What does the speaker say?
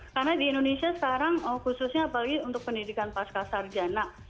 karena di indonesia sekarang khususnya apalagi untuk pendidikan pasca sarjana